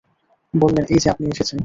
বললেন, এই-যে আপনি এসেছেন!